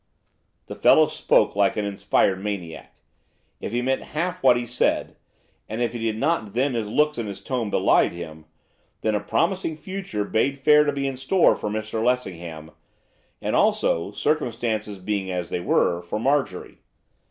The fellow spoke like an inspired maniac. If he meant half what he said, and if he did not then his looks and his tones belied him! then a promising future bade fair to be in store for Mr Lessingham, and, also, circumstances being as they were, for Marjorie.